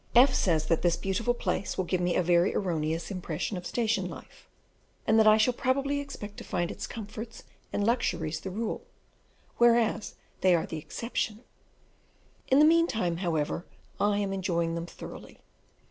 F says that this beautiful place will give me a very erroneous impression of station life, and that I shall probably expect to find its comforts and luxuries the rule, whereas they are the exception; in the mean time, however, I am enjoying them thoroughly.